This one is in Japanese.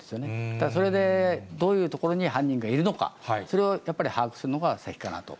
ただ、それでどういうところに犯人がいるのか、それをやっぱり把握するのが先かなと。